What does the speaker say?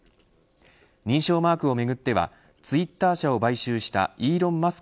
認証マークをめぐってはツイッター社を買収したイーロン・マスク